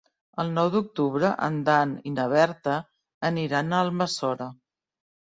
El nou d'octubre en Dan i na Berta aniran a Almassora.